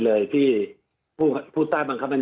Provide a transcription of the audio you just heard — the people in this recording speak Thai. สวัสดีครับทุกคน